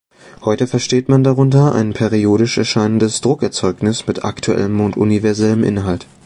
Heute versteht man darunter ein periodisch erscheinendes Druckerzeugnis mit aktuellem und universellem Inhalt.